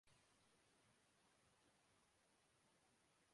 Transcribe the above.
آسانی سے گھبرا جاتا ہوں